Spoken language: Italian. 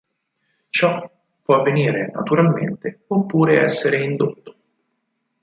Ciò può avvenire naturalmente oppure essere indotto.